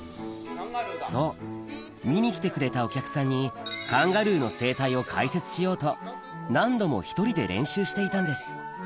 そう見に来てくれたお客さんにカンガルーの生態を解説しようと何度も１人で練習していたんです